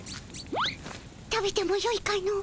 食べてもよいかの？